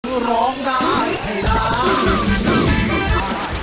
เพื่อร้องด้านไขสา